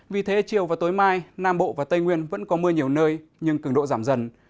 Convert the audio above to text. vì thế chiều và tối mai nam bộ và tây nguyên vẫn có mưa nhiều nơi nhưng cường độ giảm dần